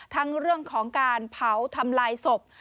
ทั้งเรื่องของการเผาทำลายศพ